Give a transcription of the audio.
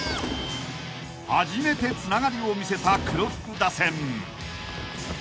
［初めてつながりを見せた黒服打線］